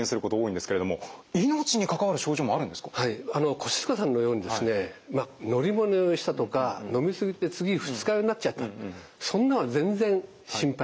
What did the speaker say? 越塚さんのようにですね乗り物酔いしたとか飲み過ぎて次二日酔いになっちゃったそんなの全然心配ない。